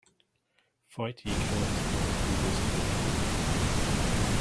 Fight, ye Kearns High Cougars to Victory!